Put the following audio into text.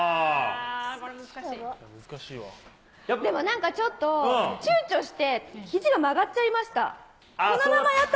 でもなんかちょっと、ちゅうちょして、ひじが曲がっちゃいました。